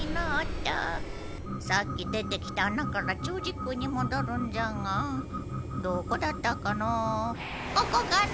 さっき出てきた穴から超時空にもどるんじゃがどこだったかの？